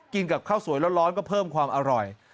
กับข้าวสวยร้อนก็เพิ่มความอร่อย